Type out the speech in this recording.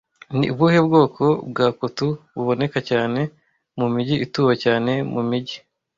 Ni ubuhe bwoko bwa cotu buboneka cyane mu mijyi ituwe cyane mu mijyi